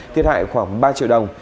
thiết hại khoảng ba triệu đồng